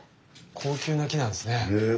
高級な木なんですね。へ。